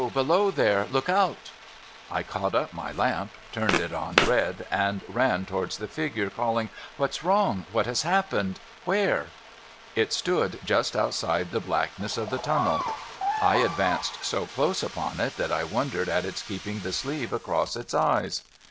Below there ! Look out 1 " I caught up my lamp, turned it on red, and ran towards the figure, calling, " W'hat's wrong ? AVhat has happened ? Where ?" It stood just outside the blackness of the tunnel. I advanced so close upon it that I wondered at its keeping the sleeve across its eyes.